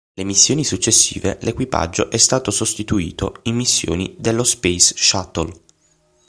Le missioni successive l'equipaggio è stato sostituito in missioni dello Space Shuttle.